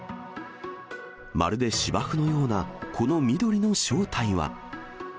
まるで芝生のような、この緑の正体は。